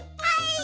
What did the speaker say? はい！